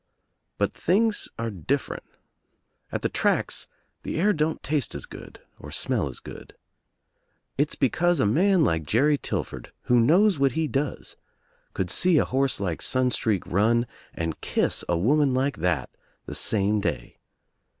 But things are different. At the tracks the atr don't taste as good or smell as good. It's because a man like Jerry Tillford, who knows what he does, could see a horse like Sunstreak run, and kiss a woman like that the same day.